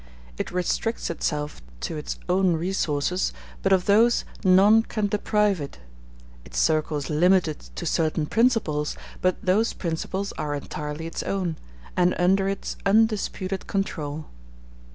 It restricts itself to its own resources, but of those none can deprive it: its circle is limited to certain principles, but those principles are entirely its own, and under its undisputed control.